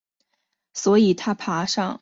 所以他爬上了旁边的岩架。